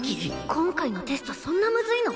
今回のテストそんなむずいの！？